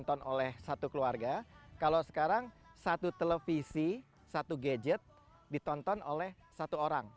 ditonton oleh satu keluarga kalau sekarang satu televisi satu gadget ditonton oleh satu orang